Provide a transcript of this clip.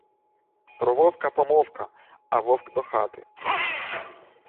Про вовка помовка, а вовк до хати.